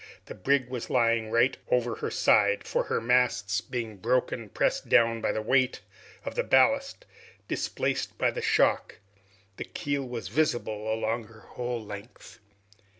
The brig was lying right over on her side, for her masts being broken, pressed down by the weight of the ballast displaced by the shock, the keel was visible along her whole length.